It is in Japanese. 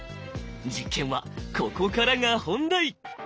実験はここからが本題！